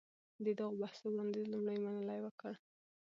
د دغو بحثو وړانديز لومړی منلي وکړ.